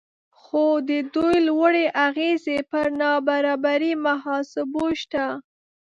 خو د دوی لوړې اغیزې پر نابرابرۍ محاسبو شته